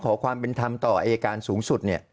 ขอความเป็นธรรมต่ออายการสูงสุดเนี่ย